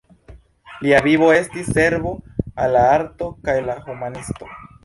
Lia vivo estis servo al la arto kaj la humanismo.